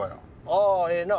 ああええな。